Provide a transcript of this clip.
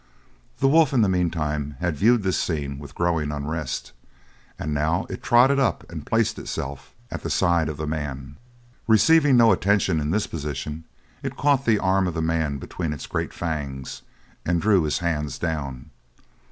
The wolf in the meantime had viewed this scene with growing unrest, and now it trotted up and placed itself at the side of the man. Receiving no attention in this position, it caught the arm of the man between its great fangs and drew his hands down.